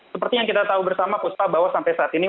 seperti yang kita tahu bersama puspa bahwa sampai saat ini